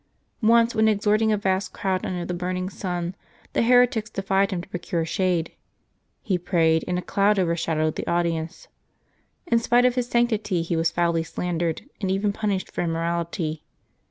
Once when exhorting a vast crowd, under the burning sun, the heretics defied him to procure shade. He prayed, and a cloud overshadowed the audience. In spite of his sanctity, he was foully slandered and even punished for immorality.